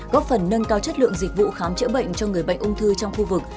góp phần nâng cao chất lượng dịch vụ khám chữa bệnh cho người bệnh ung thư trong khu vực